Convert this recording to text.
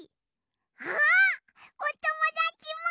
あっおともだちも！